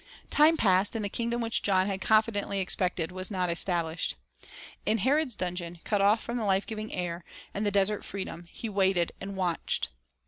1 Time passed, and the kingdom which John had confidently expected was not established. In Herod's dungeon, cut off from the life giving air and the desert freedom, he waited and watched.